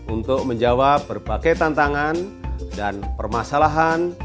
untuk menjawab berbagai tantangan dan permasalahan